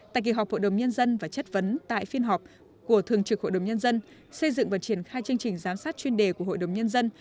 tại kỳ họp hội đồng nhân dân và chất vấn tại phiên họp của thường trực hội đồng nhân dân xây dựng và triển khai chương trình giám sát chuyên đề của hội đồng nhân dân